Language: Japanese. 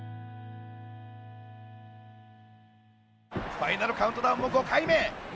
ファイナルカウントダウンも５回目。